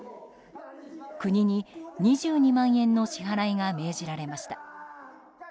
国に２２万円の支払いが命じられました。